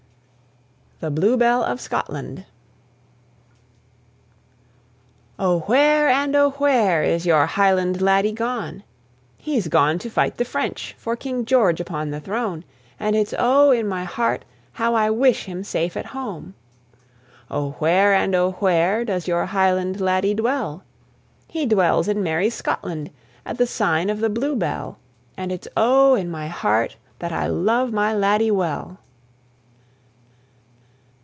THE BLUEBELL OF SCOTLAND. Oh where! and oh where! is your Highland laddie gone? He's gone to fight the French for King George upon the throne; And it's oh! in my heart how I wish him safe at home. Oh where! and oh where! does your Highland laddie dwell? He dwells in merry Scotland at the sign of the Bluebell; And it's oh! in my heart that I love my laddie well.